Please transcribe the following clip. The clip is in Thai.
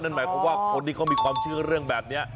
เพราะว่าคนที่เขามีความเชื่อเรื่องแบบนี้